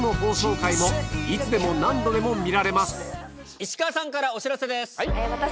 石川さんからお知らせです。